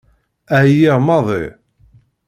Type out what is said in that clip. Ɛyiɣ maḍi.